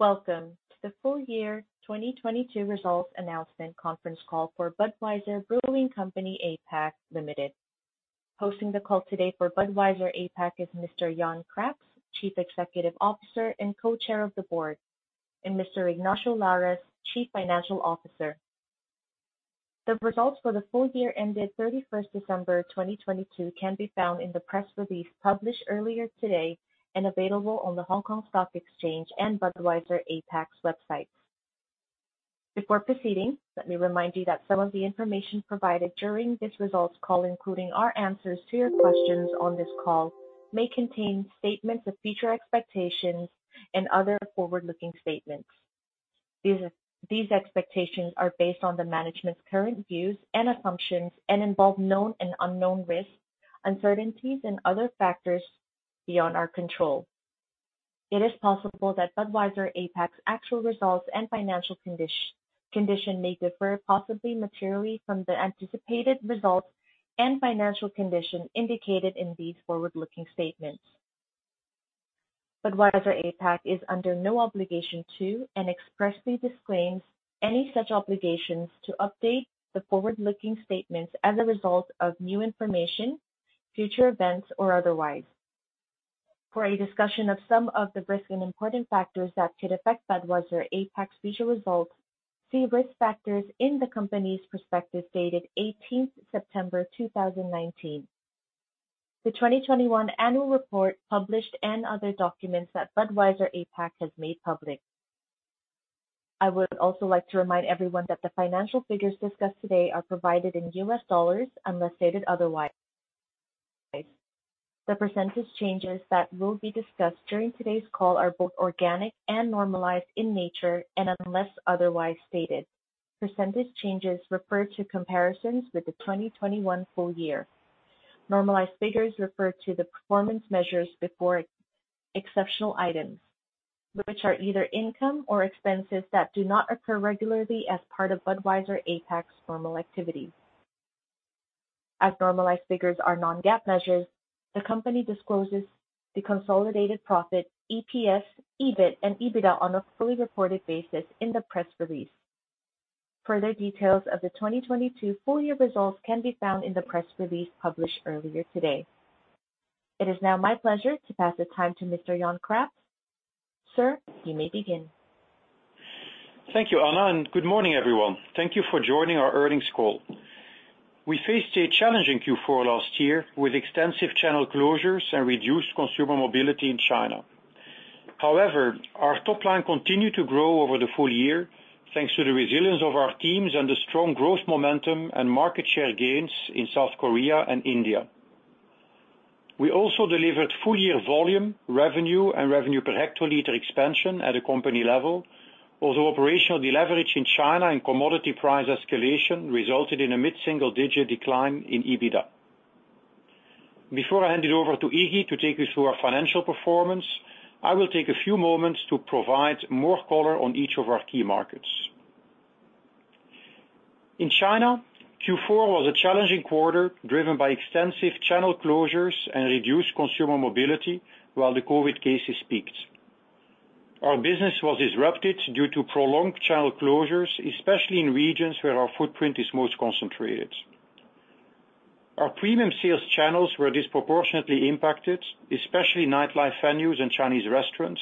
Welcome to the full year 2022 results announcement conference call for Budweiser Brewing Company APAC Limited. Hosting the call today for Budweiser APAC is Mr. Jan Craps, Chief Executive Officer and Co-Chair of the Board, and Mr. Ignacio Lares, Chief Financial Officer. The results for the full year ended 31st December 2022 can be found in the press release published earlier today and available on the Hong Kong Stock Exchange and Budweiser APAC's websites. Before proceeding, let me remind you that some of the information provided during this results call, including our answers to your questions on this call, may contain statements of future expectations and other forward-looking statements. These expectations are based on the management's current views and assumptions and involve known and unknown risks, uncertainties, and other factors beyond our control. It is possible that Budweiser APAC's actual results and financial condition may differ, possibly materially, from the anticipated results and financial condition indicated in these forward-looking statements. Budweiser APAC is under no obligation to, and expressly disclaims any such obligations to, update the forward-looking statements as a result of new information, future events, or otherwise. For a discussion of some of the risk and important factors that could affect Budweiser APAC's future results, see risk factors in the company's prospectus dated 18th September 2019. The 2021 annual report published and other documents that Budweiser APAC has made public. I would also like to remind everyone that the financial figures discussed today are provided in US dollars, unless stated otherwise. The percentage changes that will be discussed during today's call are both organic and normalized in nature, and unless otherwise stated. Percentage changes refer to comparisons with the 2021 full year. Normalized figures refer to the performance measures before exceptional items, which are either income or expenses that do not occur regularly as part of Budweiser APAC's normal activities. As normalized figures are non-GAAP measures, the company discloses the consolidated profit, EPS, EBIT, and EBITDA on a fully reported basis in the press release. Further details of the 2022 full year results can be found in the press release published earlier today. It is now my pleasure to pass the time to Mr. Jan Craps. Sir, you may begin. Thank you, Anna. Good morning, everyone. Thank you for joining our earnings call. We faced a challenging Q4 last year with extensive channel closures and reduced consumer mobility in China. Our top line continued to grow over the full year, thanks to the resilience of our teams and the strong growth momentum and market share gains in South Korea and India. We also delivered full-year volume, revenue, and revenue per hectoliter expansion at a company level, although operational deleverage in China and commodity price escalation resulted in a mid-single-digit decline in EBITDA. Before I hand it over to Iggy to take you through our financial performance, I will take a few moments to provide more color on each of our key markets. In China, Q4 was a challenging quarter, driven by extensive channel closures and reduced consumer mobility while the COVID cases peaked. Our business was disrupted due to prolonged channel closures, especially in regions where our footprint is most concentrated. Our premium sales channels were disproportionately impacted, especially nightlife venues and Chinese restaurants,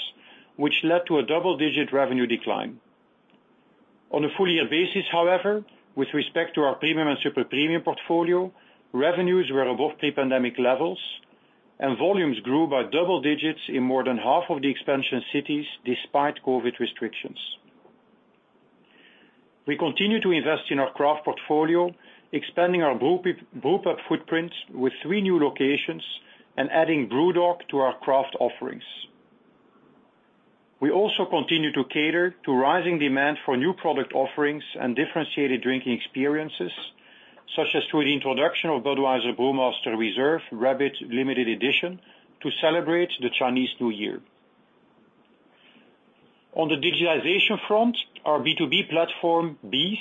which led to a double-digit revenue decline. On a full year basis, however, with respect to our premium and super-premium portfolio, revenues were above pre-pandemic levels, and volumes grew by double digits in more than half of the expansion cities despite COVID restrictions. We continue to invest in our craft portfolio, expanding our Brewpub footprint with three new locations and adding BrewDog to our craft offerings. We also continue to cater to rising demand for new product offerings and differentiated drinking experiences, such as through the introduction of Budweiser Brewmaster Reserve Rabbit limited edition to celebrate the Chinese New Year. On the digitalization front, our B2B platform, BEES,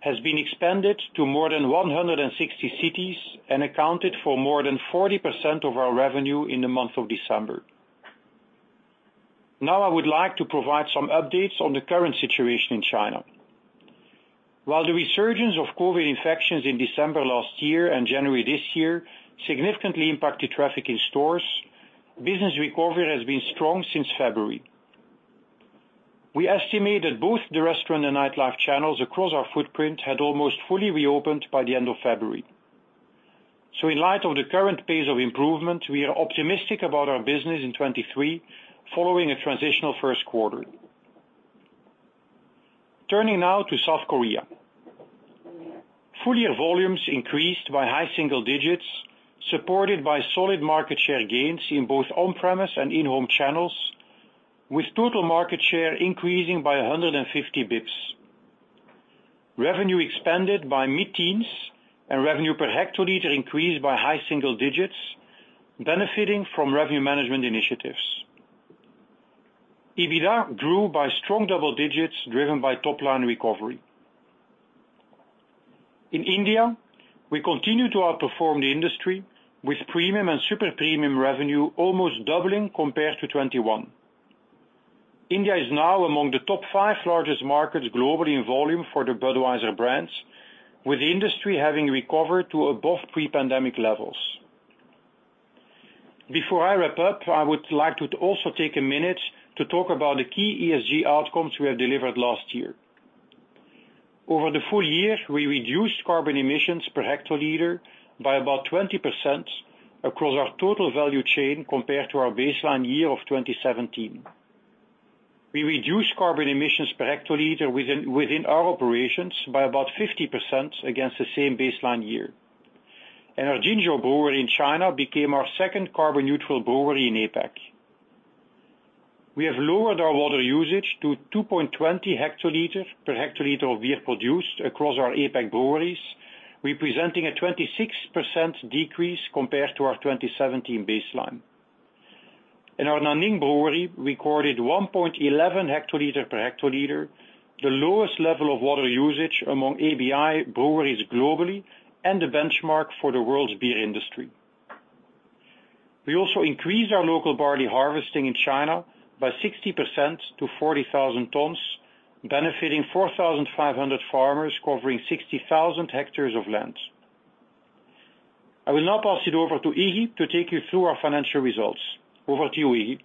has been expanded to more than 160 cities and accounted for more than 40% of our revenue in the month of December. I would like to provide some updates on the current situation in China. While the resurgence of COVID infections in December 2022 and January 2023 significantly impacted traffic in stores, business recovery has been strong since February. We estimate that both the restaurant and nightlife channels across our footprint had almost fully reopened by the end of February. In light of the current pace of improvement, we are optimistic about our business in 2023 following a transitional first quarter. Turning now to South Korea. Full-year volumes increased by high single digits, supported by solid market share gains in both on-premise and in-home channels, with total market share increasing by 150 basis points. Revenue expanded by mid-teens, and revenue per hectoliter increased by high single digits, benefiting from revenue management initiatives. EBITDA grew by strong double digits driven by top-line recovery. In India, we continue to outperform the industry with premium and super premium revenue almost doubling compared to 2021. India is now among the top five largest markets globally in volume for the Budweiser brands, with the industry having recovered to above pre-pandemic levels. Before I wrap up, I would like to also take a minute to talk about the key ESG outcomes we have delivered last year. Over the full year, we reduced carbon emissions per hectoliter by about 20% across our total value chain compared to our baseline year of 2017. We reduced carbon emissions per hectoliter within our operations by about 50% against the same baseline year. Our Jinzhou brewery in China became our second carbon neutral brewery in APAC. We have lowered our water usage to 2.20 hectoliters per hectoliter of beer produced across our APAC breweries, representing a 26% decrease compared to our 2017 baseline. Our Nanning brewery recorded 1.11 hectoliter per hectoliter, the lowest level of water usage among ABI breweries globally and a benchmark for the world's beer industry. We also increased our local barley harvesting in China by 60% to 40,000 tons, benefiting 4,500 farmers covering 60,000 hectares of land. I will now pass it over to Iggy to take you through our financial results. Over to you, Iggy.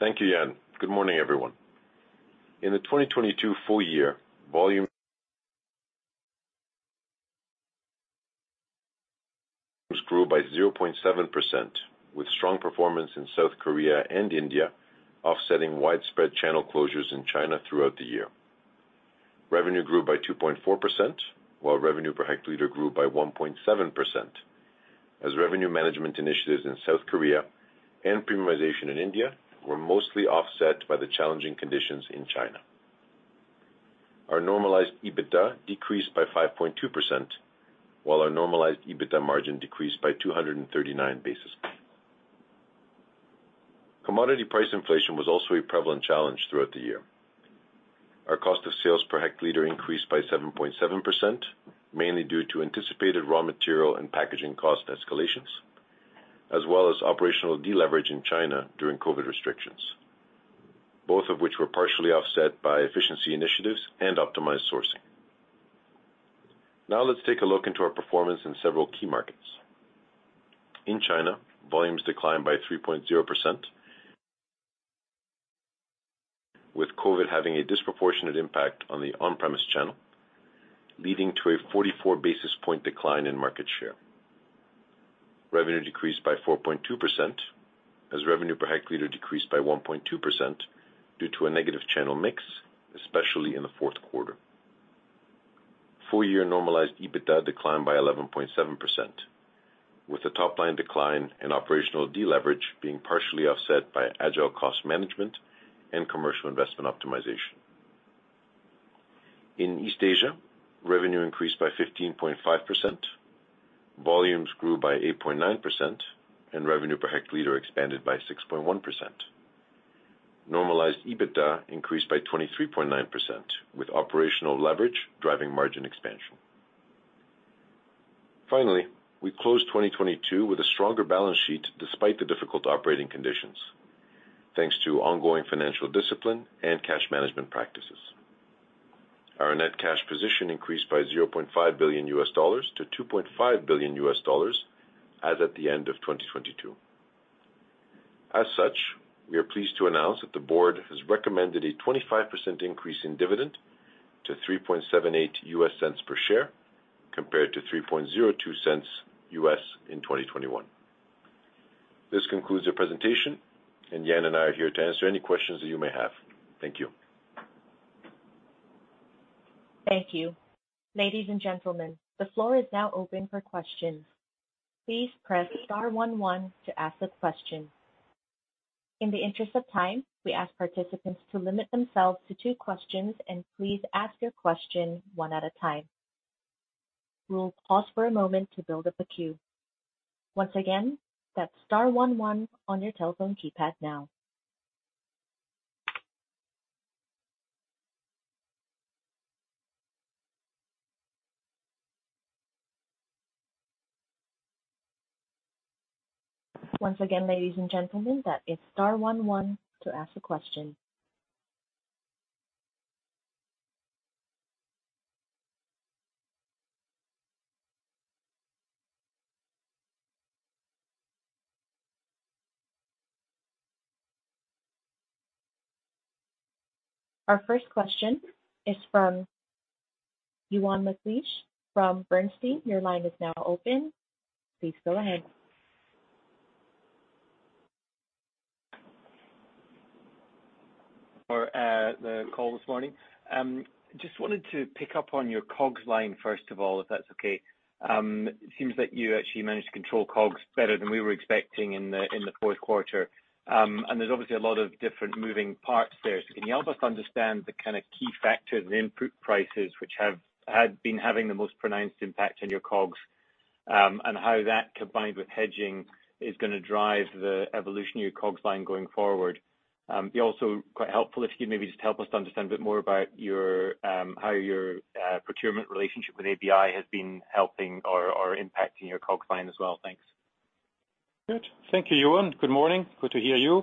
Thank you, Jan. Good morning, everyone. In 2022 full year, volumes grew by 0.7%, with strong performance in South Korea and India offsetting widespread channel closures in China throughout the year. Revenue grew by 2.4%, while revenue per hectoliter grew by 1.7% as revenue management initiatives in South Korea and premiumization in India were mostly offset by the challenging conditions in China. Our normalized EBITDA decreased by 5.2%, while our normalized EBITDA margin decreased by 239 basis points. Commodity price inflation was also a prevalent challenge throughout the year. Our cost of sales per hectoliter increased by 7.7%, mainly due to anticipated raw material and packaging cost escalations, as well as operational deleverage in China during COVID restrictions, both of which were partially offset by efficiency initiatives and optimized sourcing. Now let's take a look into our performance in several key markets. In China, volumes declined by 3.0% with COVID having a disproportionate impact on the on-premise channel, leading to a 44 basis point decline in market share. Revenue decreased by 4.2% as revenue per hectoliter decreased by 1.2% due to a negative channel mix, especially in the fourth quarter. Full year normalized EBITDA declined by 11.7%, with the top line decline and operational deleverage being partially offset by agile cost management and commercial investment optimization. In East Asia, revenue increased by 15.5%, volumes grew by 8.9%, and revenue per hectoliter expanded by 6.1%. Normalized EBITDA increased by 23.9%, with operational leverage driving margin expansion. Finally, we closed 2022 with a stronger balance sheet despite the difficult operating conditions, thanks to ongoing financial discipline and cash management practices. Our net cash position increased by $0.5 billion-$2.5 billion as at the end of 2022. We are pleased to announce that the board has recommended a 25% increase in dividend to $0.0378 per share, compared to $0.0302 in 2021. This concludes the presentation, Jan and I are here to answer any questions that you may have. Thank you. Thank you. Ladies and gentlemen, the floor is now open for questions. Please press star one one to ask a question. In the interest of time, we ask participants to limit themselves to two questions, and please ask your question one at a time. We'll pause for a moment to build up a queue. Once again, that's star one one on your telephone keypad now. Once again, ladies and gentlemen, that is star one one to ask a question. Our first question is from Euan McLeish from Bernstein. Your line is now open. Please go ahead. For the call this morning. Just wanted to pick up on your COGS line, first of all, if that's okay. It seems that you actually managed to control COGS better than we were expecting in the fourth quarter. There's obviously a lot of different moving parts there. Can you help us understand the kind of key factors, the input prices which had been having the most pronounced impact on your COGS? How that combined with hedging is gonna drive the evolution of your COGS line going forward. It'd also quite helpful if you could maybe just help us to understand a bit more about your how your procurement relationship with ABI has been helping or impacting your COGS line as well. Thanks. Good. Thank you, Euan. Good morning. Good to hear you.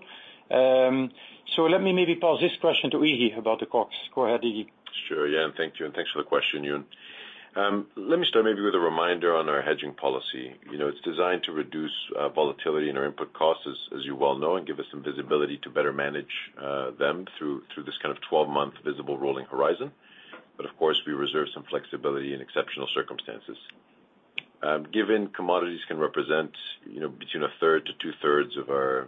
Let me maybe pose this question to Iggy about the COGS. Go ahead, Iggy Sure. Thank you, and thanks for the question, Ewan. Let me start maybe with a reminder on our hedging policy. You know, it's designed to reduce volatility in our input costs, as you well know, and give us some visibility to better manage them through this kind of 12-month visible rolling horizon. Of course, we reserve some flexibility in exceptional circumstances. Given commodities can represent, you know, between a third to two-thirds of our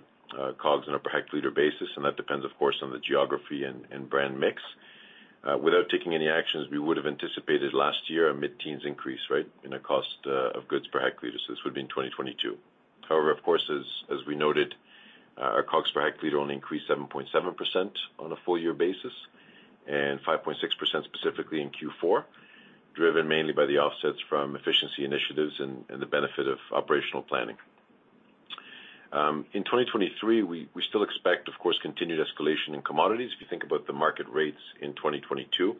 COGS on a per hectoliter basis, and that depends, of course, on the geography and brand mix. Without taking any actions, we would've anticipated last year a mid-teens increase, right, in the cost of goods per hectoliter. This would be in 2022. Of course, as we noted, our COGS per hectoliter only increased 7.7% on a full year basis, and 5.6% specifically in Q4, driven mainly by the offsets from efficiency initiatives and the benefit of operational planning. In 2023, we still expect, of course, continued escalation in commodities. If you think about the market rates in 2022,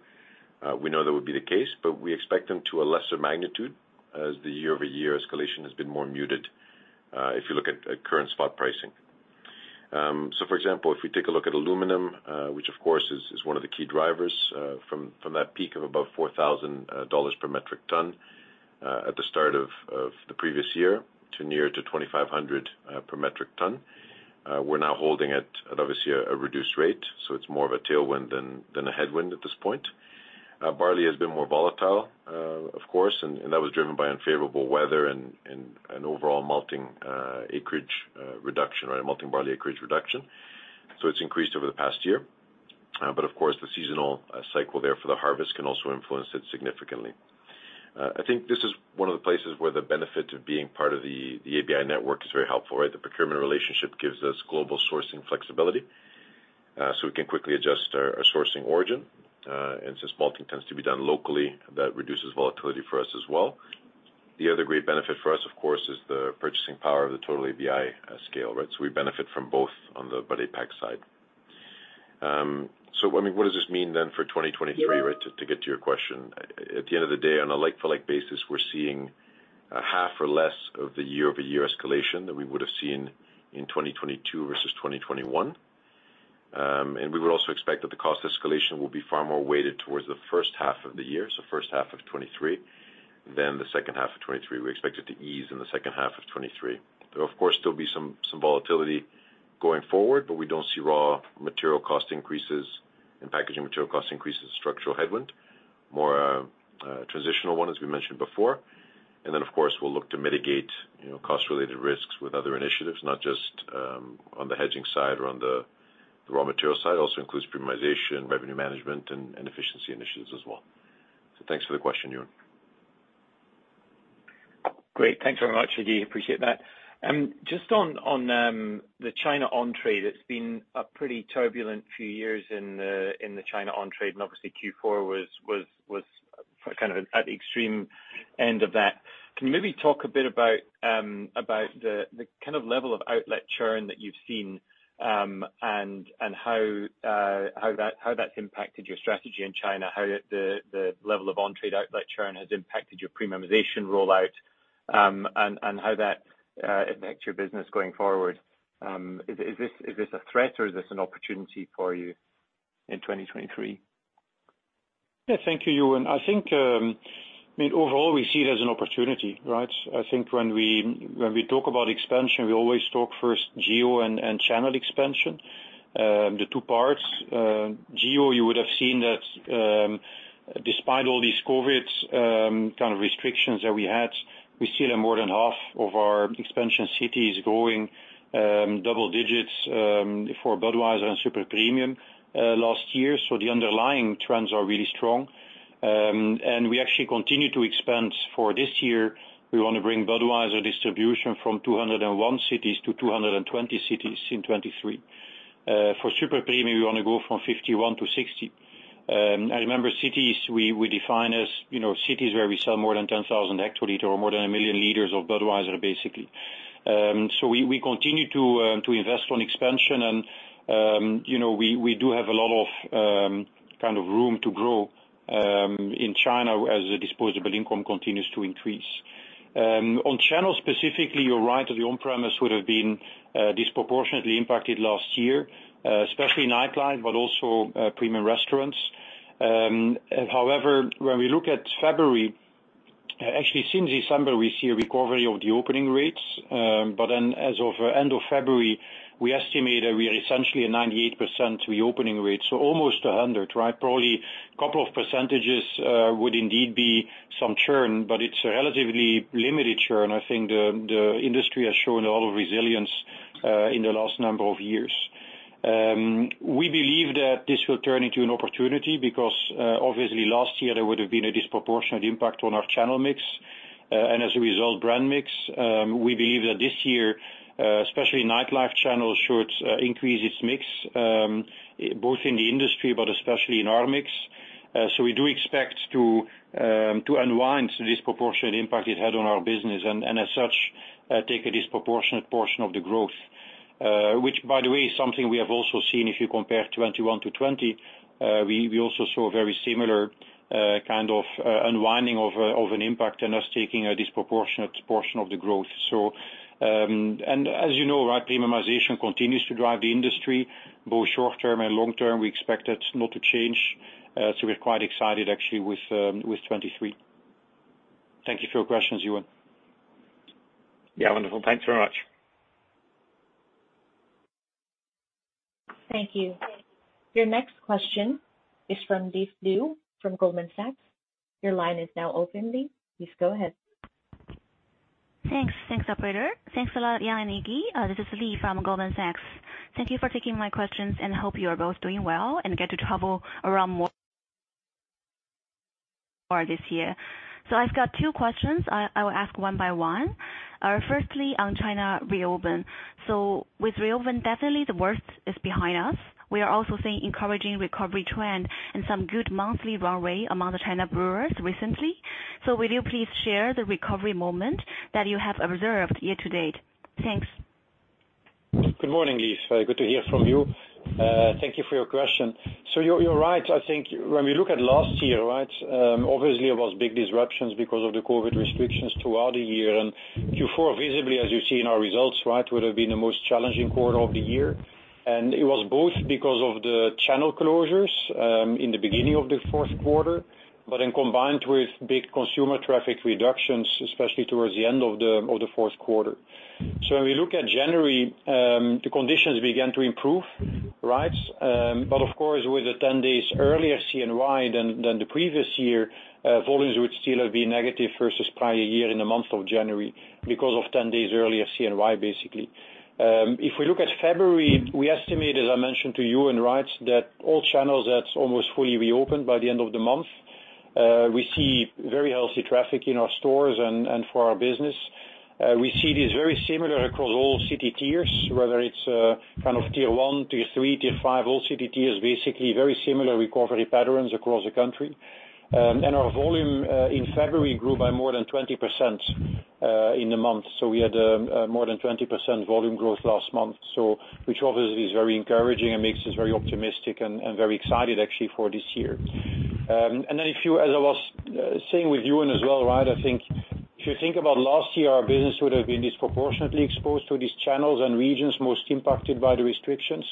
we know that would be the case, but we expect them to a lesser magnitude as the year-over-year escalation has been more muted, if you look at current spot pricing. For example, if we take a look at aluminum, which of course is one of the key drivers, from that peak of above $4,000 per metric ton, at the start of the previous year to near to $2,500 per metric ton. We're now holding at obviously a reduced rate, so it's more of a tailwind than a headwind at this point. Barley has been more volatile, of course, and that was driven by unfavorable weather and overall malting, acreage, reduction, or malting barley acreage reduction. It's increased over the past year. Of course, the seasonal, cycle there for the harvest can also influence it significantly. I think this is one of the places where the benefit of being part of the ABI network is very helpful, right? The procurement relationship gives us global sourcing flexibility, so we can quickly adjust our sourcing origin. Since malting tends to be done locally, that reduces volatility for us as well. The other great benefit for us, of course, is the purchasing power of the total ABI scale, right? We benefit from both on the Bud APAC side. I mean, what does this mean then for 2023, right? To get to your question. At the end of the day, on a like-for-like basis, we're seeing a half or less of the year-over-year escalation than we would've seen in 2022 versus 2021. We would also expect that the cost escalation will be far more weighted towards the first half of the year, so first half of 2023, than the second half of 2023. We expect it to ease in the second half of 2023. There will, of course, still be some volatility going forward, but we don't see raw material cost increases and packaging material cost increases structural headwind. More a transitional one, as we mentioned before. Of course, we'll look to mitigate, you know, cost-related risks with other initiatives, not just on the hedging side or on the raw material side. Also includes premiumization, revenue management, and efficiency initiatives as well. Thanks for the question, Euan. Great. Thanks very much, Iggy. Appreciate that. Just on the China on-trade, it's been a pretty turbulent few years in the China on-trade, obviously Q4 was kind of at the extreme end of that. Can you maybe talk a bit about about the kind of level of outlet churn that you've seen, and how that's impacted your strategy in China, how the level of on-trade outlet churn has impacted your premiumization rollout, and how that impacts your business going forward? Is this a threat or is this an opportunity for you in 2023? Yeah. Thank you, Euan. I think, I mean, overall, we see it as an opportunity, right? I think when we talk about expansion, we always talk first geo and channel expansion. The two parts. Geo, you would have seen that, despite all these COVID, kind of restrictions that we had, we still have more than half of our expansion cities growing, double digits, for Budweiser and Super Premium, last year. The underlying trends are really strong. We actually continue to expand. For this year, we wanna bring Budweiser distribution from 201 cities to 220 cities in 2023. For Super Premium, we wanna go from 51-60. And remember, cities we define as, you know, cities where we sell more than 10,000 hectoliter or more than 1 million liters of Budweiser, basically. So we continue to invest on expansion and, you know, we do have a lot of kind of room to grow in China as the disposable income continues to increase. On channels specifically, you're right that the on-premise would have been disproportionately impacted last year, especially nightlife, but also premium restaurants. However, when we look at February, actually since December, we see a recovery of the opening rates. As of end of February, we estimate that we are essentially at 98% reopening rate. So almost 100, right? Probably a couple of %, would indeed be some churn, but it's a relatively limited churn. I think the industry has shown a lot of resilience, in the last number of years. We believe that this will turn into an opportunity because obviously last year there would have been a disproportionate impact on our channel mix, and as a result, brand mix. We believe that this year, especially nightlife channels should increase its mix, both in the industry, but especially in our mix. We do expect to unwind the disproportionate impact it had on our business and as such, take a disproportionate portion of the growth. Which by the way, is something we have also seen if you compare 21-20, we also saw a very similar kind of unwinding of an impact and us taking a disproportionate portion of the growth. As you know, right, premiumization continues to drive the industry both short-term and long-term. We expect it not to change. We're quite excited actually with 23. Thank you for your questions, Euan McLeish. Yeah. Wonderful. Thanks very much. Thank you. Your next question is from Leaf Liu from Goldman Sachs. Your line is now open, Li. Please go ahead. Thanks. Thanks, operator. Thanks a lot, Jan and Iggy. This is Li from Goldman Sachs. Thank you for taking my questions, and hope you are both doing well and get to travel around more this year. I've got two questions. I will ask one by one. Firstly on China reopen. With reopen, definitely the worst is behind us. We are also seeing encouraging recovery trend and some good monthly runway among the China brewers recently. Will you please share the recovery moment that you have observed year to date? Thanks. Good morning, Li. It's very good to hear from you. Thank you for your question. You're right. I think when we look at last year, right, obviously there was big disruptions because of the COVID restrictions throughout the year. Q4 visibly, as you see in our results, right, would have been the most challenging quarter of the year. It was both because of the channel closures in the beginning of the fourth quarter, combined with big consumer traffic reductions, especially towards the end of the fourth quarter. When we look at January, the conditions began to improve, right? Of course, with the 10 days earlier CNY than the previous year, volumes would still have been negative versus prior year in the month of January because of 10 days earlier CNY, basically. If we look at February, we estimate, as I mentioned to you in rights, that all channels, that's almost fully reopened by the end of the month. We see very healthy traffic in our stores and for our business. We see it is very similar across all city tiers, whether it's kind of tier one, tier three, tier five. All city tiers basically very similar recovery patterns across the country. Our volume in February grew by more than 20% in the month. We had more than 20% volume growth last month. Which obviously is very encouraging and makes us very optimistic and very excited actually for this year. Then if you... as I was, saying with Euan as well, right, I think if you think about last year, our business would have been disproportionately exposed to these channels and regions most impacted by the restrictions.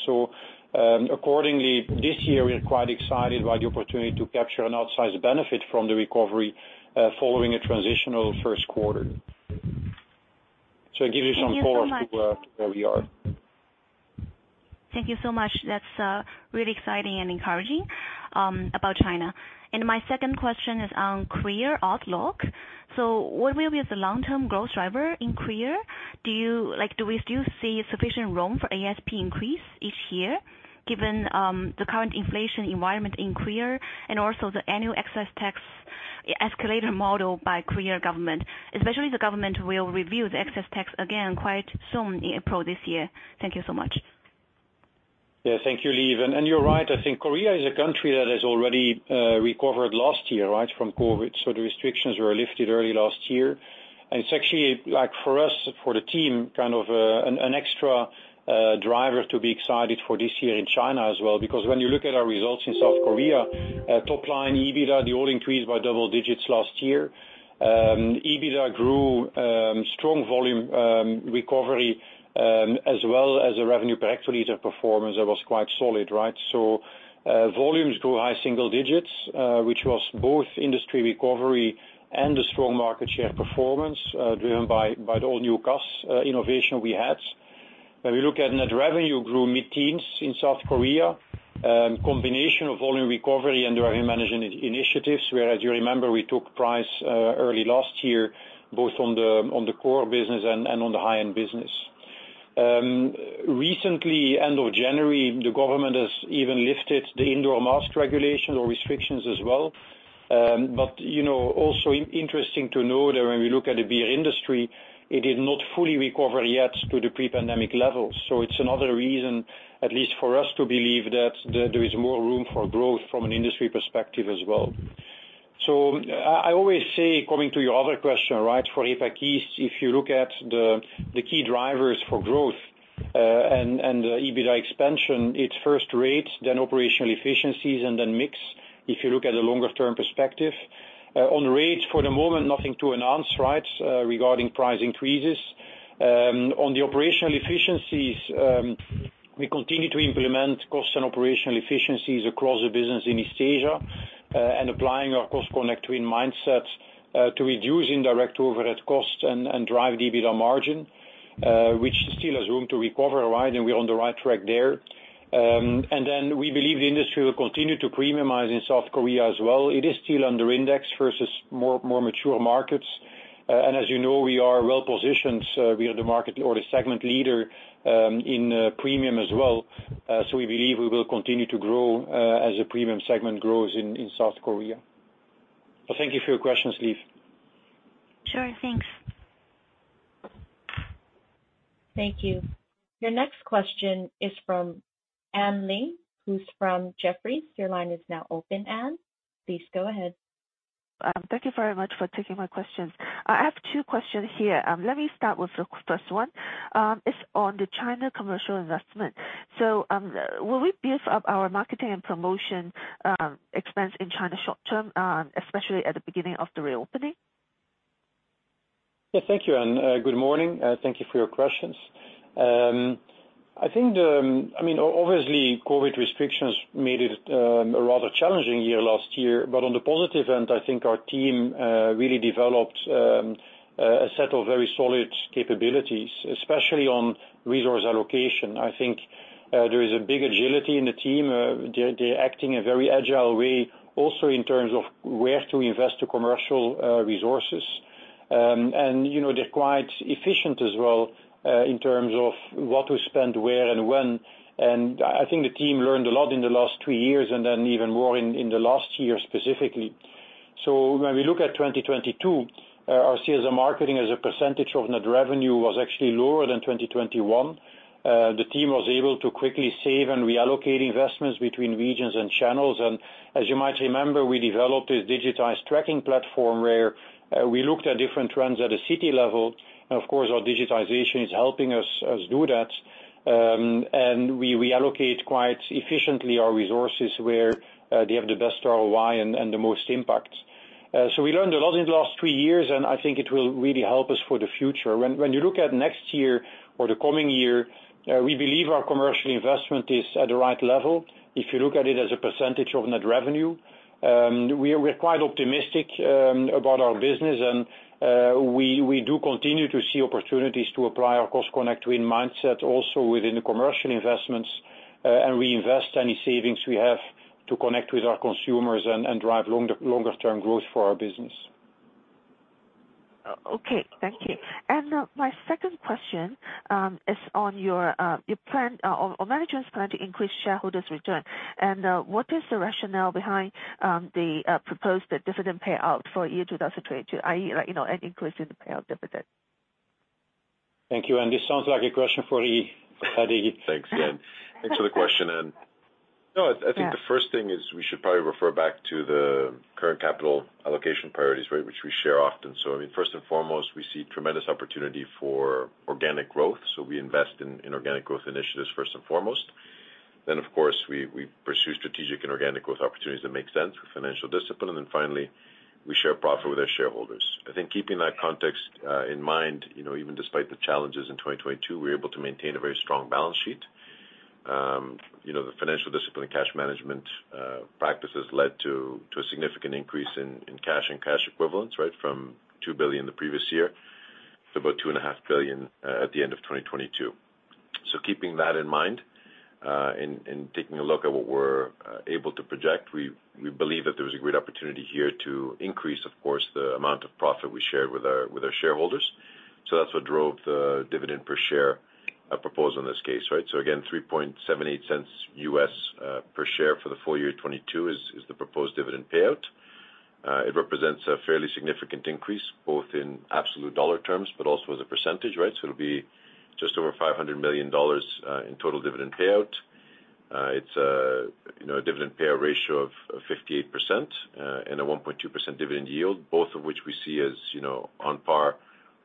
Accordingly this year, we are quite excited by the opportunity to capture an outsized benefit from the recovery, following a transitional first quarter. It gives you some color- Thank you so much. -to where we are. Thank you so much. That's really exciting and encouraging about China. My second question is on Korea outlook. What will be the long-term growth driver in Korea? Like, do we still see sufficient room for ASP increase each year given the current inflation environment in Korea and also the annual excess tax escalator model by Korea government? The government will review the excess tax again quite soon in April this year. Thank you so much. Yeah, thank you, Li. You're right. I think Korea is a country that has already recovered last year, right, from COVID. The restrictions were lifted early last year. It's actually, like for us, for the team, kind of an extra driver to be excited for this year in China as well. Because when you look at our results in South Korea, top line, EBITDA, they all increased by double digits last year. EBITDA grew, strong volume recovery, as well as the revenue per hectoliter performance that was quite solid, right? Volumes grew high single digits, which was both industry recovery and a strong market share performance, driven by the all new Cass innovation we had. When we look at net revenue grew mid-teens in South Korea. Combination of volume recovery and revenue managing initiatives, where, as you remember, we took price early last year, both on the core business and on the high-end business. Recently, end of January, the government has even lifted the indoor mask regulation or restrictions as well. But, you know, also interesting to note that when we look at the beer industry, it is not fully recovered yet to the pre-pandemic levels. It's another reason, at least for us, to believe that there is more room for growth from an industry perspective as well. I always say, coming to your other question, right, for APAC East, if you look at the key drivers for growth, and the EBITDA expansion, it's first rates, then operational efficiencies, and then mix. If you look at the longer term perspective. On rates for the moment, nothing to announce, right, regarding price increases. On the operational efficiencies, we continue to implement cost and operational efficiencies across the business in East Asia, and applying our cost and connect win mindset, to reduce indirect overhead costs and drive the EBITDA margin, which still has room to recover, right? We're on the right track there. We believe the industry will continue to premiumize in South Korea as well. It is still under index versus more mature markets. As you know, we are well positioned. We are the market or the segment leader, in premium as well. We believe we will continue to grow, as the premium segment grows in South Korea. Thank you for your questions, Li. Sure. Thanks. Thank you. Your next question is from Anne Ling, who's from Jefferies. Your line is now open, Anne. Please go ahead. Thank you very much for taking my questions. I have two questions here. Let me start with the first one. It's on the China commercial investment. Will we beef up our marketing and promotion expense in China short-term, especially at the beginning of the reopening? Yeah. Thank you, Anne. Good morning. Thank you for your questions. I think, I mean, obviously, COVID restrictions made it a rather challenging year last year. On the positive end, I think our team really developed a set of very solid capabilities, especially on resource allocation. I think there is a big agility in the team. They're acting in a very agile way, also in terms of where to invest the commercial resources. You know, they're quite efficient as well in terms of what to spend where and when. I think the team learned a lot in the last three years and then even more in the last year specifically. When we look at 2022, our sales and marketing as a percentage of net revenue was actually lower than 2021. The team was able to quickly save and reallocate investments between regions and channels. As you might remember, we developed a digitized tracking platform where we looked at different trends at a city level. Of course, our digitization is helping us do that. And we reallocate quite efficiently our resources where they have the best ROI and the most impact. We learned a lot in the last three years, and I think it will really help us for the future. When you look at next year or the coming year, we believe our commercial investment is at the right level, if you look at it as a percentage of net revenue. We're quite optimistic about our business and we do continue to see opportunities to apply our cost connect win mindset also within the commercial investments and reinvest any savings we have to connect with our consumers and drive longer term growth for our business. Okay. Thank you. My second question is on management's plan to increase shareholders' return. What is the rationale behind the proposed dividend payout for year 2022, i.e., you know, an increase in the payout dividend? Thank you. This sounds like a question for Iggy. Thanks, Jan. Thanks for the question, Anne. I think the first thing is we should probably refer back to the current capital allocation priorities, right, which we share often. I mean, first and foremost, we see tremendous opportunity for organic growth, so we invest in organic growth initiatives first and foremost. Of course, we pursue strategic and organic growth opportunities that make sense with financial discipline. Finally, we share profit with our shareholders. I think keeping that context in mind, you know, even despite the challenges in 2022, we were able to maintain a very strong balance sheet. You know, the financial discipline and cash management practices led to a significant increase in cash and cash equivalents, right, from $2 billion the previous year to about $2.5 billion at the end of 2022. Keeping that in mind, and taking a look at what we're able to project, we believe that there was a great opportunity here to increase, of course, the amount of profit we shared with our shareholders. That's what drove the dividend per share proposal in this case, right? Again, $0.378 per share for the full year 2022 is the proposed dividend payout. It represents a fairly significant increase, both in absolute dollar terms, but also as a percentage, right? It'll be just over $500 million in total dividend payout. It's, you know, a dividend payout ratio of 58% and a 1.2% dividend yield, both of which we see as, you know, on par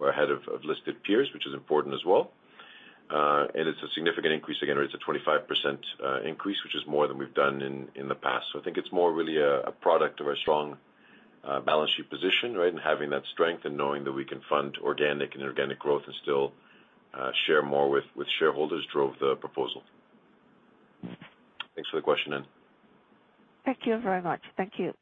or ahead of listed peers, which is important as well. It's a significant increase. Again, it's a 25% increase, which is more than we've done in the past. I think it's more really a product of our strong balance sheet position, right? Having that strength and knowing that we can fund organic and inorganic growth and still share more with shareholders drove the proposal. Thanks for the question, Anne. Thank you very much. Thank you.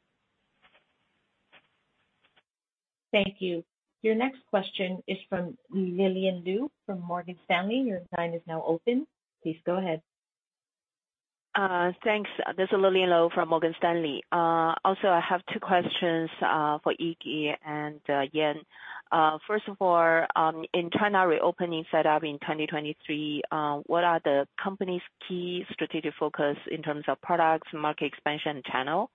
Thank you. Your next question is from Lillian Lou from Morgan Stanley. Your line is now open. Please go ahead. Thanks. This is Lillian Lou from Morgan Stanley. Also, I have two questions for Iggy and Jan. First of all, in China reopening set up in 2023, what are the company's key strategic focus in terms of products, market expansion channel,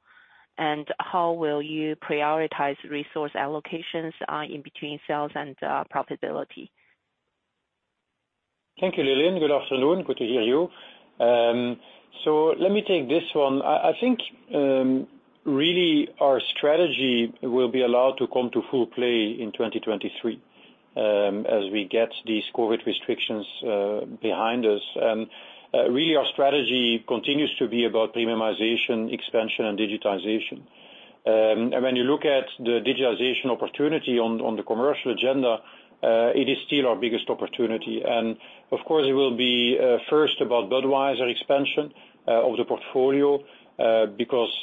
and how will you prioritize resource allocations in between sales and profitability? Thank you, Lillian. Good afternoon. Good to hear you. Let me take this one. I think really our strategy will be allowed to come to full play in 2023, as we get these COVID restrictions behind us. Really our strategy continues to be about premiumization, expansion and digitization. When you look at the digitalization opportunity on the commercial agenda, it is still our biggest opportunity. Of course, it will be first about Budweiser expansion of the portfolio, because,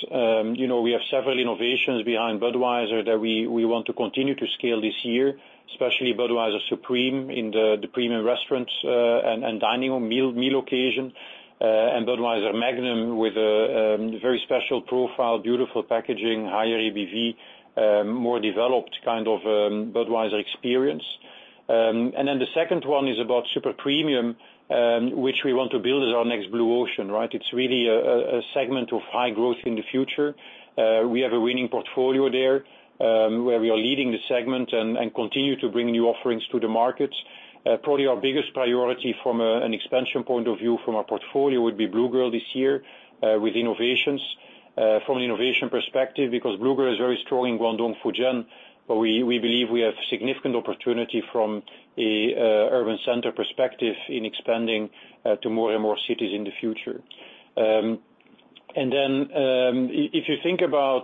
you know, we have several innovations behind Budweiser that we want to continue to scale this year, especially Budweiser Supreme in the premium restaurants and dining meal occasion. Budweiser Magnum with a very special profile, beautiful packaging, higher ABV, more developed kind of Budweiser experience. The second one is about Super Premium, which we want to build as our next blue ocean, right? It's really a segment of high growth in the future. We have a winning portfolio there, where we are leading the segment and continue to bring new offerings to the markets. Probably our biggest priority from an expansion point of view from our portfolio would be Blue Girl this year, with innovations, from an innovation perspective, because Blue Girl is very strong in Guangdong, Fujian, but we believe we have significant opportunity from an urban center perspective in expanding to more and more cities in the future. If you think about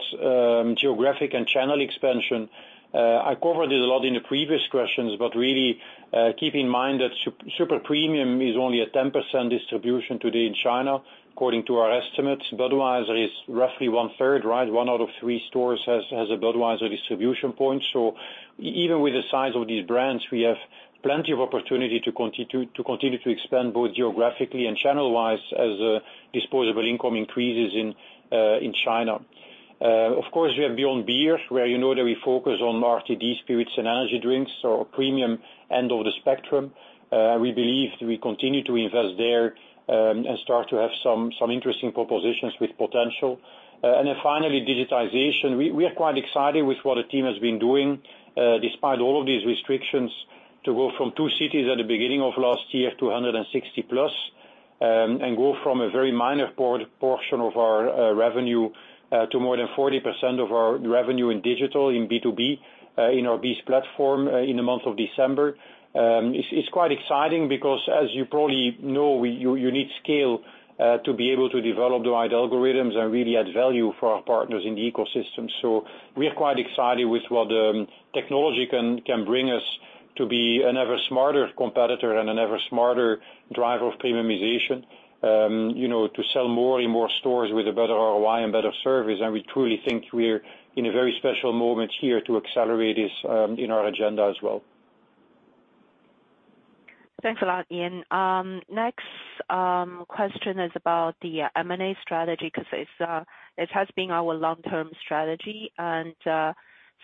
geographic and channel expansion, I covered it a lot in the previous questions. Really, keep in mind that Super Premium is only a 10% distribution today in China according to our estimates. Budweiser is roughly 1/3, right? One out of three stores has a Budweiser distribution point. Even with the size of these brands, we have plenty of opportunity to continue to expand both geographically and channel-wise as disposable income increases in China. Of course, we have Beyond Beer, where you know that we focus on RTD spirits and energy drinks, so premium end of the spectrum. We believe we continue to invest there, start to have some interesting propositions with potential. Finally, digitization. We are quite excited with what the team has been doing, despite all of these restrictions to go from two cities at the beginning of last year to 160+, and go from a very minor portion of our revenue, to more than 40% of our revenue in digital in B2B, in our BEES platform, in the month of December. It's quite exciting because as you probably know, you need scale to be able to develop the right algorithms and really add value for our partners in the ecosystem. We are quite excited with what technology can bring us to be an ever smarter competitor and an ever smarter driver of premiumization, you know, to sell more and more stores with a better ROI and better service. We truly think we're in a very special moment here to accelerate this, in our agenda as well. Thanks a lot, Jan. Next question is about the M&A strategy, 'cause it's it has been our long-term strategy and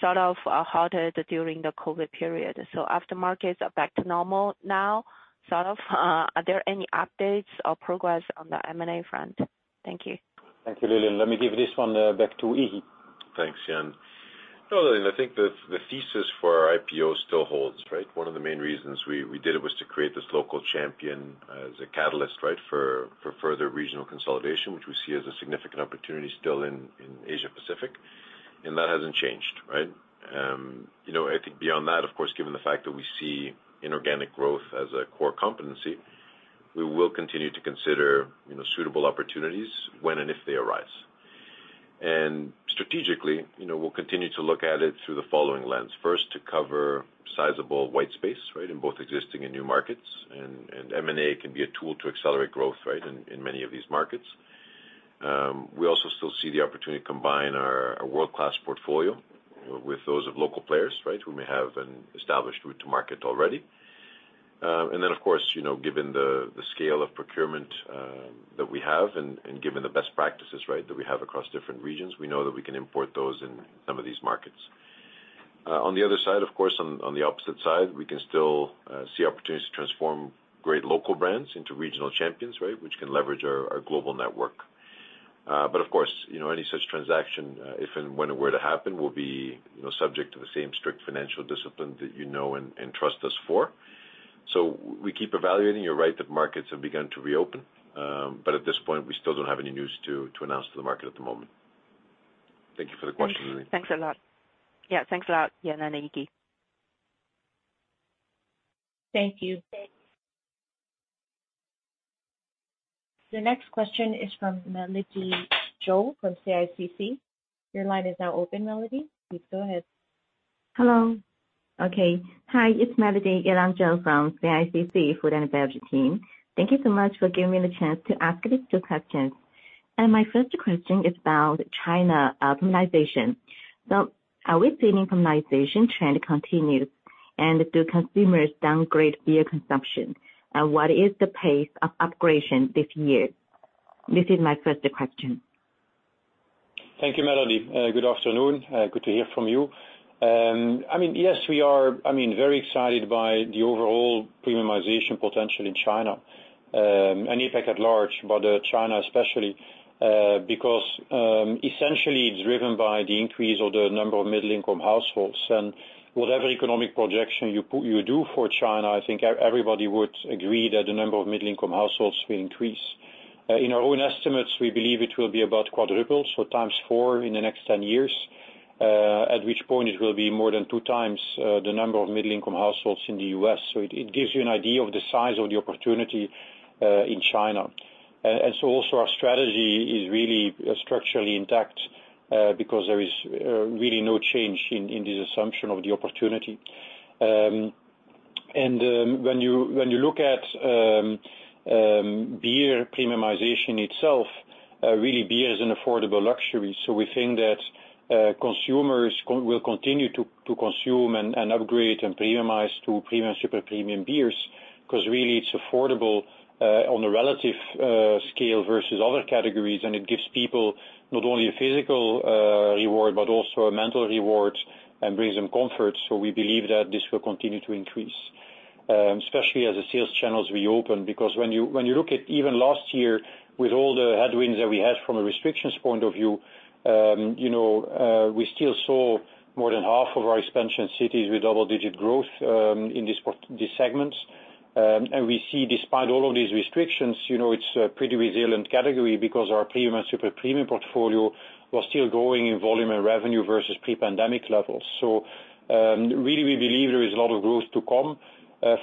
sort of halted during the COVID period. After markets are back to normal now, sort of, are there any updates or progress on the M&A front? Thank you. Thank you, Lillian. Let me give this one back to Iggy. Thanks, Jan. No, Lillian, I think the thesis for our IPO still holds, right? One of the main reasons we did it was to create this local champion as a catalyst, right, for further regional consolidation, which we see as a significant opportunity still in Asia Pacific. That hasn't changed, right? You know, I think beyond that, of course, given the fact that we see inorganic growth as a core competency, we will continue to consider, you know, suitable opportunities when and if they arise. Strategically, you know, we'll continue to look at it through the following lens. First, to cover sizable white space, right, in both existing and new markets. M&A can be a tool to accelerate growth, right, in many of these markets. We also still see the opportunity to combine our world-class portfolio with those of local players, right, who may have an established route to market already. Of course, you know, given the scale of procurement that we have and given the best practices, right, that we have across different regions, we know that we can import those in some of these markets. Of course, on the opposite side, we can still see opportunities to transform great local brands into regional champions, right, which can leverage our global network. Of course, you know, any such transaction, if and when it were to happen, will be, you know, subject to the same strict financial discipline that you know and trust us for. We keep evaluating. You're right that markets have begun to reopen. At this point, we still don't have any news to announce to the market at the moment. Thank you for the question, Lillian. Thanks. Thanks a lot. Yeah, thanks a lot, Jan and Iggy. Thank you. Thanks. The next question is from Melody Zhou from CICC. Your line is now open, Melody. Please go ahead. Hello. Okay. Hi, it's Melody Zhou from CICC Food and Beverage team. Thank you so much for giving me the chance to ask you these two questions. My first question is about China premiumization. Are we seeing premiumization trend continue? Do consumers downgrade beer consumption? What is the pace of upgrading this year? This is my first question. Thank you, Melody. Good afternoon. Good to hear from you. I mean, yes, we are, I mean, very excited by the overall premiumization potential in China, and APAC at large, but China especially, because essentially it's driven by the increase of the number of middle income households. Whatever economic projection you do for China, I think everybody would agree that the number of middle income households will increase. In our own estimates, we believe it will be about quadruple, so times four in the next 10 years, at which point it will be more than two times, the number of middle income households in the U.S. It gives you an idea of the size of the opportunity, in China. Also our strategy is really structurally intact, because there is really no change in this assumption of the opportunity. When you, when you look at beer premiumization itself, really beer is an affordable luxury. We think that consumers will continue to consume and upgrade and premiumize to premium, super premium beers, 'cause really it's affordable on a relative scale versus other categories, and it gives people not only a physical reward, but also a mental reward and brings them comfort. We believe that this will continue to increase, especially as the sales channels reopen. Because when you look at even last year with all the headwinds that we had from a restrictions point of view, you know, we still saw more than half of our expansion cities with double-digit growth in these segments. We see despite all of these restrictions, you know, it's a pretty resilient category because our premium and super premium portfolio was still growing in volume and revenue versus pre-pandemic levels. Really, we believe there is a lot of growth to come.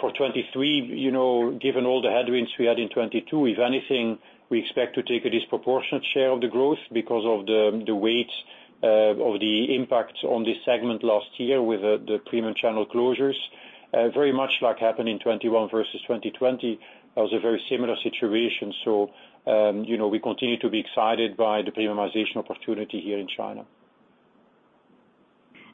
For 2023, you know, given all the headwinds we had in 2022, if anything, we expect to take a disproportionate share of the growth because of the weight, of the impact on this segment last year with the premium channel closures. Very much like happened in 2021 versus 2020. That was a very similar situation. you know, we continue to be excited by the premiumization opportunity here in China.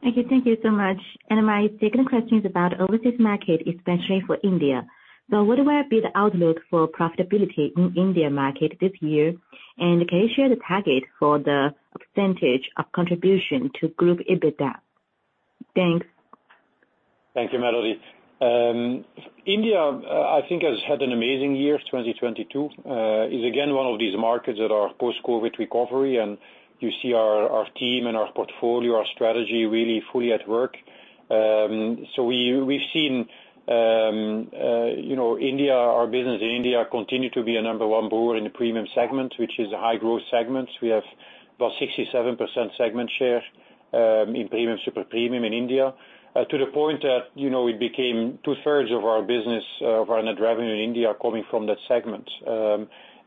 Okay, thank you so much. My second question is about overseas market, especially for India. What will be the outlook for profitability in India market this year? Can you share the target for the percentage of contribution to group EBITDA? Thanks. Thank you, Melody. India, I think has had an amazing year, 2022. is again one of these markets that are post-COVID recovery, and you see our team and our portfolio, our strategy really fully at work. we've seen, you know, India, our business in India continue to be a number 1 brewer in the premium segment, which is a high growth segment. We have about 67% segment share in premium, super premium in India, to the point that, you know, it became two-thirds of our business of our net revenue in India coming from that segment.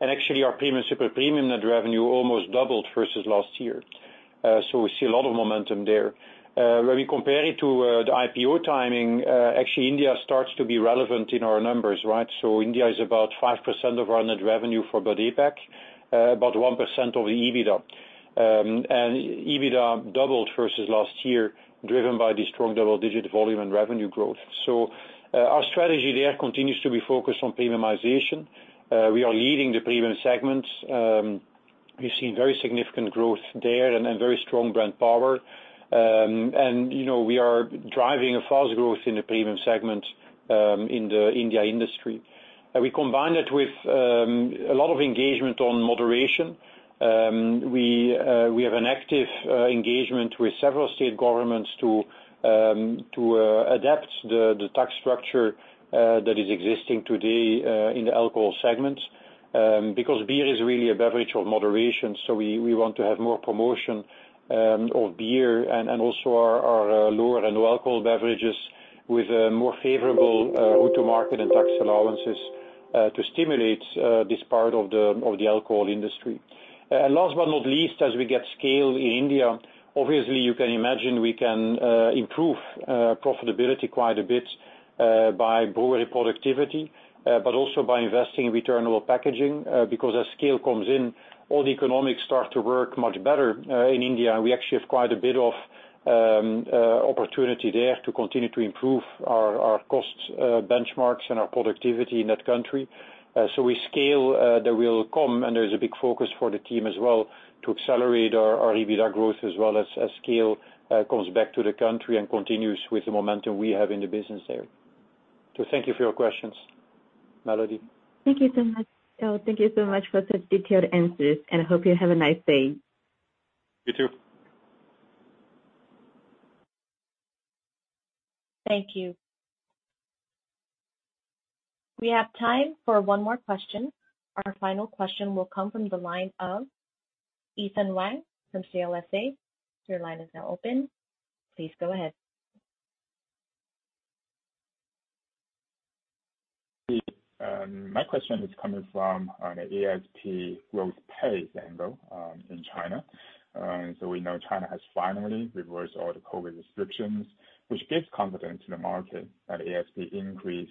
Actually our premium, super premium net revenue almost doubled versus last year. we see a lot of momentum there. When we compare it to the IPO timing, actually India starts to be relevant in our numbers, right. India is about 5% of our net revenue for APAC, about 1% of the EBITDA. EBITDA doubled versus last year, driven by the strong double-digit volume and revenue growth. Our strategy there continues to be focused on premiumization. We are leading the premium segments. We've seen very significant growth there and very strong brand power. You know, we are driving a fast growth in the premium segment in the India industry. We combine it with a lot of engagement on moderation. We have an active engagement with several state governments to adapt the tax structure that is existing today in the alcohol segment. Because beer is really a beverage of moderation, so we want to have more promotion of beer and also our lower and no alcohol beverages with a more favorable go to market and tax allowances to stimulate this part of the alcohol industry. Last but not least, as we get scale in India, obviously you can imagine we can improve profitability quite a bit by brewery productivity, but also by investing in returnable packaging, because as scale comes in, all the economics start to work much better in India. We actually have quite a bit of opportunity there to continue to improve our cost benchmarks and our productivity in that country. We scale, that will come, and there's a big focus for the team as well to accelerate our EBITDA growth as well as scale comes back to the country and continues with the momentum we have in the business there. Thank you for your questions, Melody. Thank you so much. Oh, thank you so much for the detailed answers. Hope you have a nice day. You too. Thank you. We have time for one more question. Our final question will come from the line of Ethan Wang from CLSA. Your line is now open. Please go ahead. My question is coming from on a ASP growth pace angle in China. We know China has finally reversed all the COVID restrictions, which gives confidence to the market that ASP increase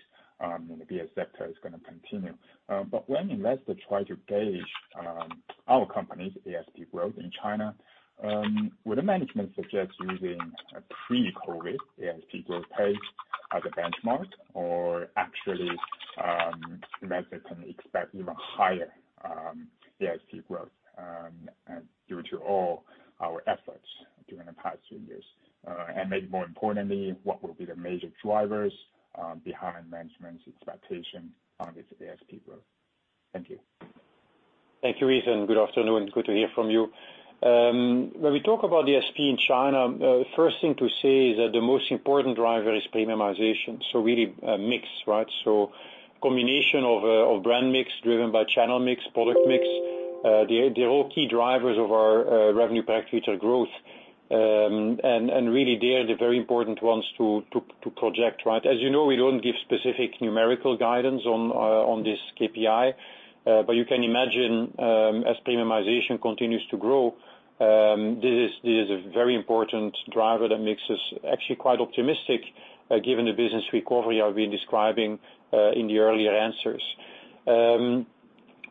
in the beer sector is gonna continue. When investors try to gauge our company's ASP growth in China, would the management suggest using a pre-COVID ASP growth pace as a benchmark? Actually, investors can expect even higher ASP growth due to all our efforts during the past few years? Maybe more importantly, what will be the major drivers behind management's expectation on this ASP growth? Thank you. Thank you, Ethan. Good afternoon. Good to hear from you. When we talk about the ASP in China, first thing to say is that the most important driver is premiumization, so really, mix, right? Combination of brand mix driven by channel mix, product mix, they're all key drivers of our revenue per hectoliter growth. Really they are the very important ones to project, right? As you know, we don't give specific numerical guidance on this KPI. But you can imagine, as premiumization continues to grow, this is a very important driver that makes us actually quite optimistic, given the business recovery I've been describing in the earlier answers.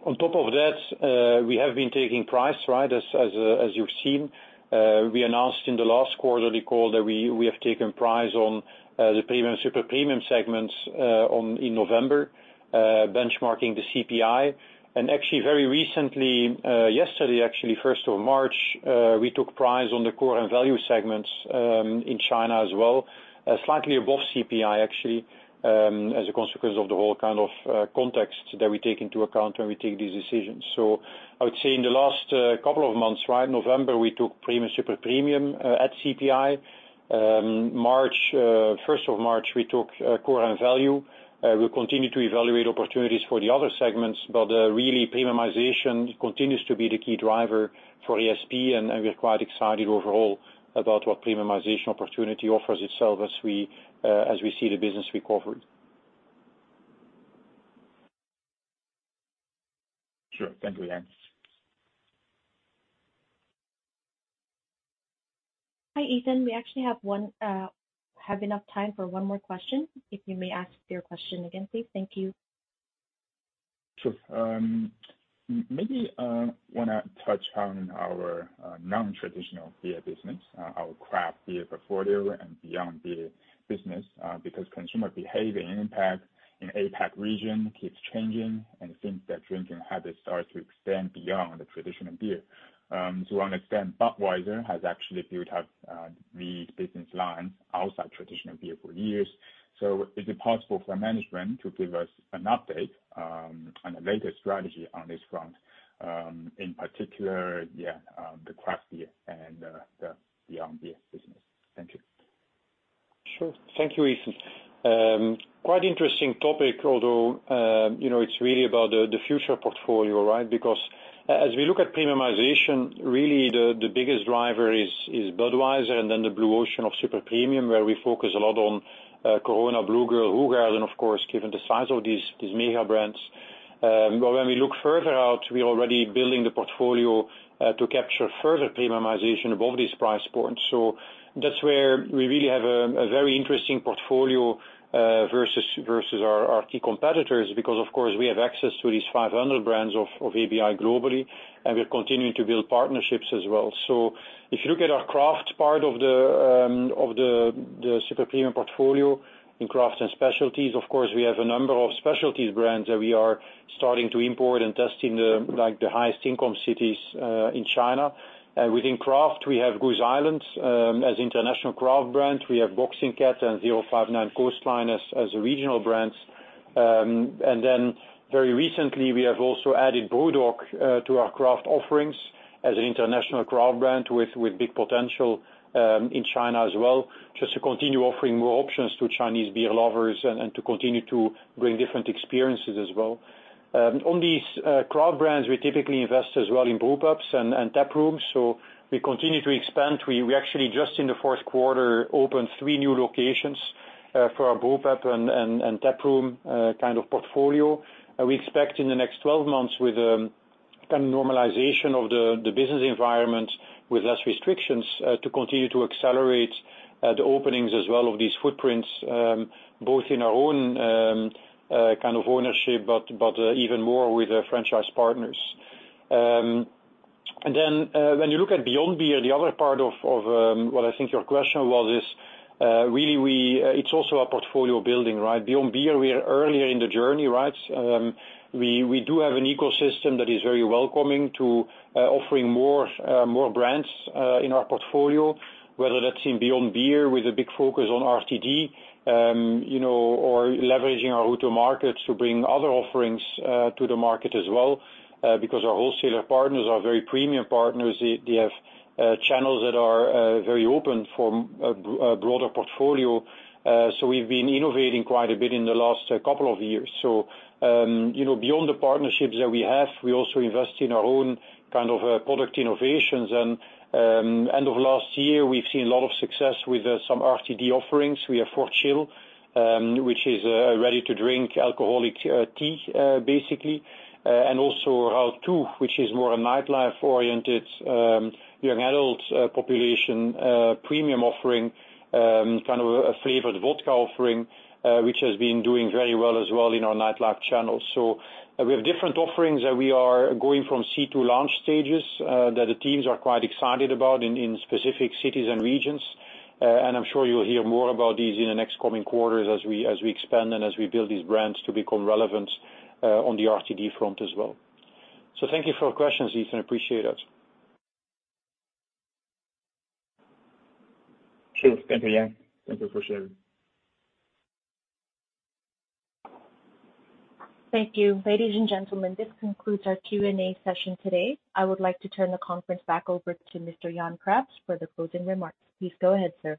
On top of that, we have been taking price, right? As you've seen. We announced in the last quarterly call that we have taken price on the premium, super premium segments in November, benchmarking the CPI. Actually very recently, yesterday actually, first of March, we took price on the core and value segments in China as well, slightly above CPI actually, as a consequence of the whole kind of context that we take into account when we take these decisions. I would say in the last couple of months, right, November, we took premium, super premium at CPI. March, first of March, we took core and value. We'll continue to evaluate opportunities for the other segments, but really premiumization continues to be the key driver for ASP, and we're quite excited overall about what premiumization opportunity offers itself as we as we see the business recover. Sure. Thank you, Jan. Hi, Ethan. We actually have one, have enough time for one more question, if you may ask your question again, please. Thank you. Sure. Maybe, wanna touch on our non-traditional beer business, our craft beer portfolio and Beyond Beer business. Because consumer behavior and impact in APAC region keeps changing and things that drinking habits are to extend beyond the traditional beer. To understand Budweiser has actually built up these business lines outside traditional beer for years. Is it possible for management to give us an update on the latest strategy on this front, in particular, yeah, the craft beer and the Beyond Beer business. Thank you. Sure. Thank you, Ethan. Quite interesting topic although, you know, it's really about the future portfolio, right? Because as we look at premiumization, really the biggest driver is Budweiser and then the blue ocean of super premium, where we focus a lot on Corona, Blue Girl, Hoegaarden, and of course, given the size of these mega brands. When we look further out, we're already building the portfolio to capture further premiumization above these price points. That's where we really have a very interesting portfolio versus our key competitors because of course, we have access to these 500 brands of ABI globally, and we're continuing to build partnerships as well. If you look at our craft part of the super premium portfolio in craft and specialties, of course, we have a number of specialties brands that we are starting to import and test in the highest income cities in China. Within craft, we have Goose Island as international craft brand. We have Boxing Cat and 059 Coastline as regional brands. Very recently we have also added BrewDog to our craft offerings as an international craft brand with big potential in China as well, just to continue offering more options to Chinese beer lovers and to continue to bring different experiences as well. On these craft brands, we typically invest as well in brewpubs and taprooms. We continue to expand. We actually just in the fourth quarter opened three new locations for our brewpub and taproom kind of portfolio. We expect in the next 12 months with kind of normalization of the business environment with less restrictions to continue to accelerate the openings as well of these footprints both in our own kind of ownership, but even more with the franchise partners. When you look at Beyond Beer, the other part of what I think your question was is really we. It's also our portfolio building, right? Beyond Beer, we are earlier in the journey, right? We do have an ecosystem that is very welcoming to offering more brands in our portfolio, whether that's in Beyond Beer with a big focus on RTD, you know, or leveraging our route to markets to bring other offerings to the market as well. Because our wholesaler partners are very premium partners. They have channels that are very open for a broader portfolio. We've been innovating quite a bit in the last couple of years. You know, beyond the partnerships that we have, we also invest in our own kind of product innovations. End of last year, we've seen a lot of success with some RTD offerings. We have Fúcha, which is a ready to drink alcoholic tea basically. Also Route 2, which is more a nightlife oriented, young adult, population, premium offering. Kind of a flavored vodka offering, which has been doing very well as well in our nightlife channels. We have different offerings that we are going from seed to launch stages, that the teams are quite excited about in specific cities and regions. I'm sure you'll hear more about these in the next coming quarters as we expand and as we build these brands to become relevant on the RTD front as well. Thank you for your questions, Ethan. Appreciate it. Sure. Thank you, Jan. Thank you for sharing. Thank you. Ladies and gentlemen, this concludes our Q&A session today. I would like to turn the conference back over to Mr. Jan Craps for the closing remarks. Please go ahead, sir.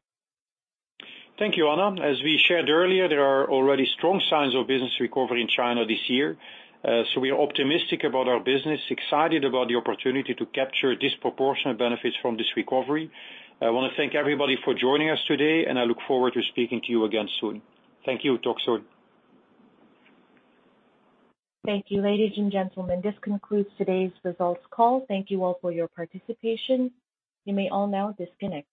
Thank you, Anna. As we shared earlier, there are already strong signs of business recovery in China this year. We are optimistic about our business, excited about the opportunity to capture disproportionate benefits from this recovery. I wanna thank everybody for joining us today, and I look forward to speaking to you again soon. Thank you. Talk soon. Thank you. Ladies and gentlemen, this concludes today's results call. Thank you all for your participation. You may all now disconnect.